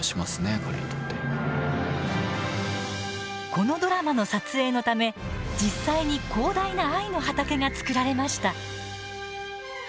このドラマの撮影のため、実際に広大な藍の畑が作られました。